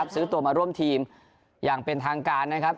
ซื้อตัวมาร่วมทีมอย่างเป็นทางการนะครับ